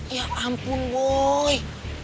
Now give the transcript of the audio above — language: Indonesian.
ya ampun boy